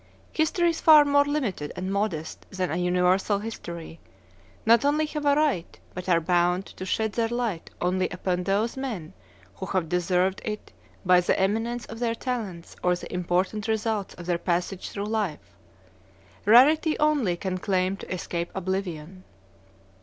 Histories far more limited and modest than a universal history, not only have a right, but are bound to shed their light only upon those men who have deserved it by the eminence of their talents or the important results of their passage through life; rarity only can claim to escape oblivion.